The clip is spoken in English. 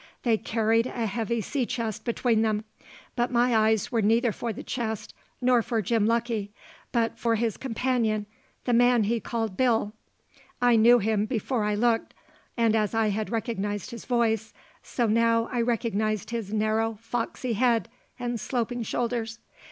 They carried a heavy sea chest between them, but my eyes were neither for the chest nor for Jim Lucky, but for his companion, the man he called Bill. I knew him before I looked; and as I had recognized his voice, so now I recognized his narrow, foxy head, and sloping shoulders.